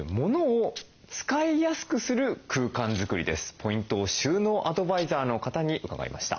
ポイントを収納アドバイザーの方に伺いました。